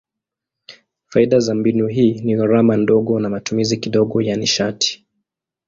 Faida za mbinu hii ni gharama ndogo na matumizi kidogo ya nishati.